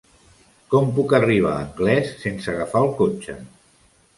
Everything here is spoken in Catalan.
Com puc arribar a Anglès sense agafar el cotxe?